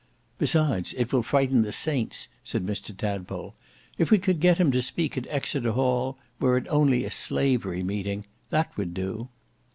"Besides it will frighten the saints," said Mr Tadpole. "If we could get him to speak at Exeter Hall—were it only a slavery meeting—that would do."